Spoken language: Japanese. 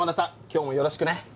今日もよろしくね。